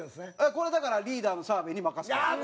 これだからリーダーの澤部に任すから。